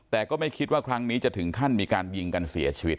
แต่ก็ไม่คิดว่าครั้งนี้จะถึงขั้นมีการยิงกันเสียชีวิต